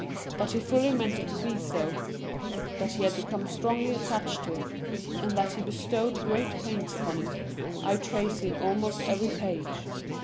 That he fully meant it to be so, that he had become strongly attached to it, and that he bestowed great pains upon it, I trace in almost every page.